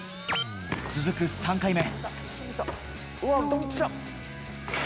続く３回目。